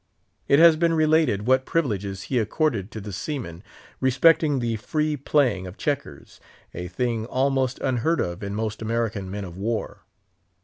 It has been related what privileges he accorded to the seamen respecting the free playing of checkers—a thing almost unheard of in most American men of war.